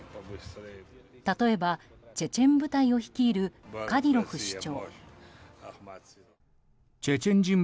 例えば、チェチェン部隊を率いるカディロフ首長。